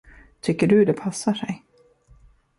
Tycker du det passar sig?